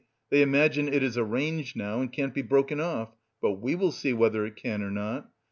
They imagine it is arranged now and can't be broken off; but we will see whether it can or not!